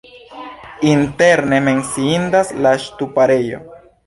Interne menciindas la ŝtuparejo.